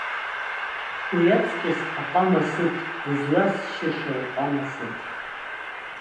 Уи аҵкыс аҟама сыҭ, дызласшьыша уҟама сыҭ!